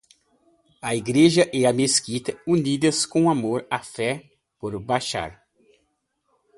A Igreja e a Mesquita unidas, com amor e fé, por Bashar